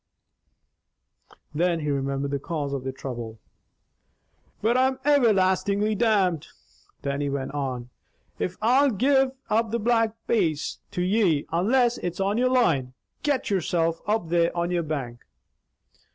Then he remembered the cause of their trouble. "But, I'm everlastingly damned," Dannie went on, "if I'll gi'e up the Black Bass to ye, unless it's on your line. Get yourself up there on your bank!"